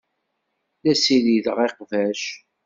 La ssirideɣ iqbac.